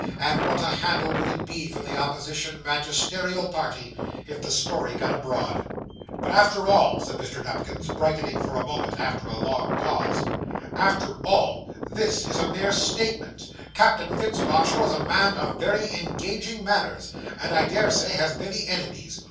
And what a handle would it be for the opposition magisterial party if the story got abroad! 'But after all,' said Mr. Nupkins, brightening for a moment, after a long pause; 'after all, this is a mere statement. Captain Fitz Marshall is a man of very engaging manners, and, I dare say, has many enemies.